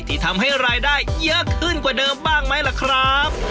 ที่ทำให้รายได้เยอะขึ้นกว่าเดิมบ้างไหมล่ะครับ